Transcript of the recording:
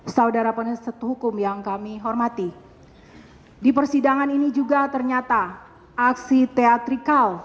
saudara penentu hukum yang kami hormati di persidangan ini juga ternyata aksi teatrikal